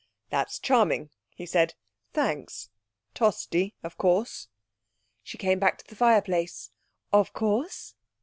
'That's charming,' he said. 'Thanks. Tosti, of course.' She came back to the fireplace. 'Of course.